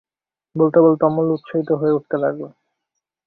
বলতে বলতে অমূল্য উৎসাহিত হয়ে উঠতে লাগল।